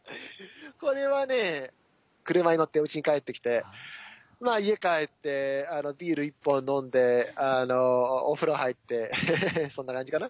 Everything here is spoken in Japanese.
これはね車に乗ってうちに帰ってきて家帰ってビール１本飲んでお風呂入ってそんな感じかな。